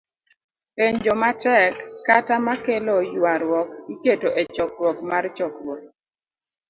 Penjo ma tek, kata ma kelo ywaruok, iketo e chakruok mar chokruok